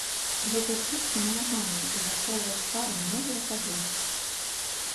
Гэтыя птушкі манагамныя і захоўваюць пару многія гады.